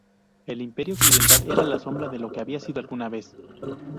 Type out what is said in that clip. El Imperio occidental era una sombra de lo que había sido alguna vez.